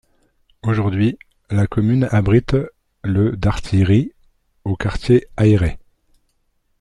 Aujourd'hui, la commune abrite le d'artillerie, au quartier Ailleret.